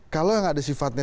kalau yang ada sifatnya